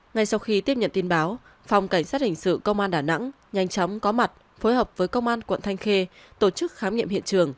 ngay sau khi tiếp nhận tin báo phòng cảnh sát hình sự công an đà nẵng nhanh chóng có mặt phối hợp với công an quận thanh khê tổ chức khám nghiệm hiện trường